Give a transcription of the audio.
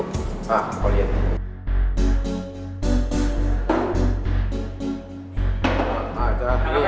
ah kalau lihat